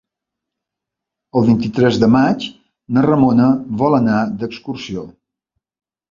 El vint-i-tres de maig na Ramona vol anar d'excursió.